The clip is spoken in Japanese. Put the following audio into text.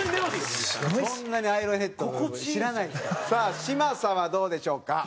さあ嶋佐はどうでしょうか？